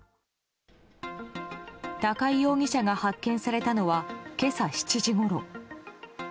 高井容疑者が発見されたのは今朝７時ごろ。